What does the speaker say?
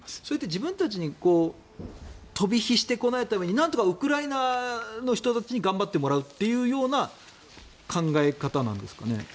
自分たちに飛び火してこないためになんとかウクライナの人たちに頑張ってもらうというような考え方なんですかね。